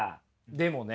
でもね